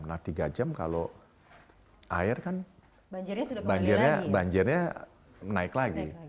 nah tiga jam kalau air kan banjirnya menaik lagi